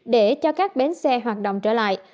để cho các bến xe hoạt động trở lại